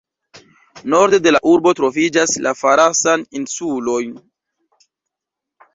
Norde de la urbo troviĝas la Farasan-insuloj.